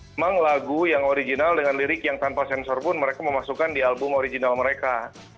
memang lagu yang original dengan lirik yang tanpa sensor pun mereka memasukkan di album original mereka